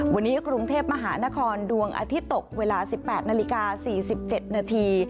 วันนี้กรุงเทพมหานครดวงอาทิตย์ตกเวลา๑๘นาฬิกา๔๗นาที